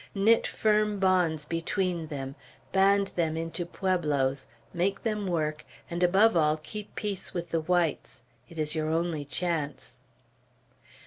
Knit firm bonds between them; band them into pueblos; make them work; and above all, keep peace with the whites. It is your only chance."